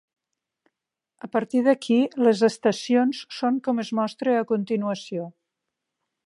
A partir d'aquí, les estacions són com es mostra a continuació.